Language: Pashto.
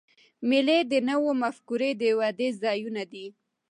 مېلې د نوو مفکورې د ودي ځایونه دي.